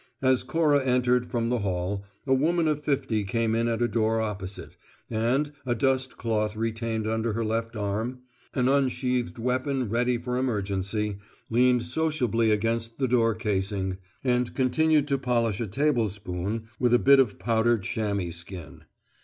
As Cora entered from the hall, a woman of fifty came in at a door opposite, and, a dust cloth retained under her left arm, an unsheathed weapon ready for emergency, leaned sociably against the door casing and continued to polish a tablespoon with a bit of powdered chamois skin.